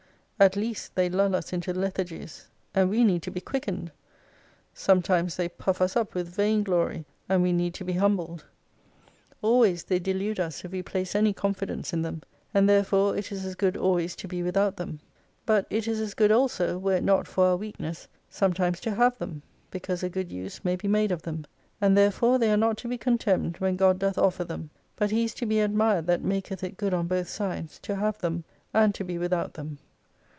At least they lull us into lethargies : and we need to be quickened. Sometimes they puff us up with vain glory and we need to be humbled. Always they delude us if we place any confidence in them, and therefore it is as good always to be without them. But it is as good also, were it not for our weakness, sometimes to have them, because a good use may be made of them. And therefore they are not to be contemned when God doth offer them. But He is to be admired that maketh it good on both sides, to have them, and to be without them.